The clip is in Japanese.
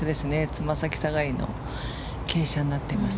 つま先下がりの傾斜になっています。